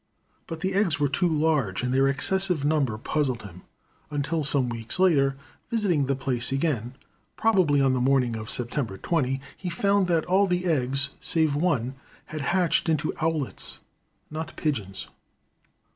But the eggs were too large, and their excessive number puzzled him, until some weeks later, visiting the place again (probably on the morning of September 20), he found that all the eggs save one had hatched into owlets, not pigeons.